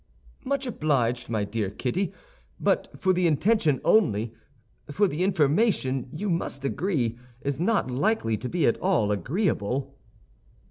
"Much obliged, my dear Kitty; but for the intention only—for the information, you must agree, is not likely to be at all agreeable."